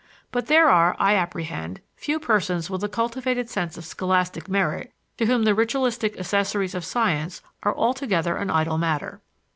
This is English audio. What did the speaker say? But there are, I apprehend, few persons with a cultivated sense of scholastic merit to whom the ritualistic accessories of science are altogether an idle matter.